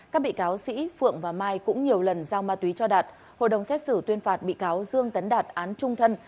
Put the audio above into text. các bị cáo sĩ phượng và mai cũng nhiều lần giao ma túy cho đạt hội đồng xét xử tuyên phạt bị cáo dương tấn đạt án trung thân